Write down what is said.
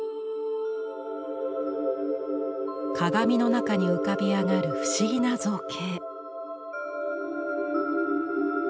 鏡の中に浮かび上がる不思議な造形。